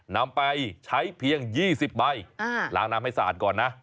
นำไปใช้เพียง๒๐ใบล้างน้ำให้สะอาดก่อนนะ